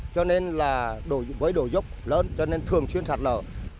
cho nên là với đồ dốc lớn cho nên thường chuyên sạt lở